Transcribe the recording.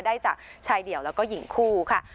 ได้จากชายเดี่ยวแล้วก็หญิงคู่ค่ะ